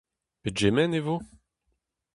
Pegement e vo ?